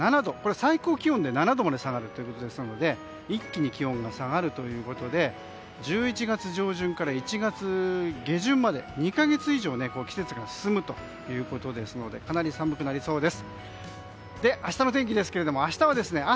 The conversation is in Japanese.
最高気温で７度まで下がるということですので一気に気温が下がるということで１１月上旬から１月下旬まで２か月以上季節が進むということですのでかなり寒くなりそうです。